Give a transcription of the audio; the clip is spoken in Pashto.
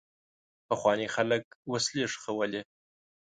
پخواني خلک وسلې ښخولې.